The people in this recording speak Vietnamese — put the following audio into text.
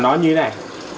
nó như thế này